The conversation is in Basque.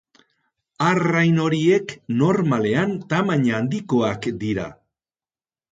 Arrain horiek normalean tamaina handikoak dira.